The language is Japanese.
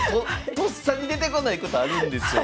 とっさに出てこないことあるんですよ。